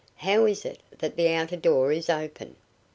"How is it that the outer door is open?"